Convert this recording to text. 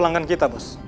pelanggan kita bos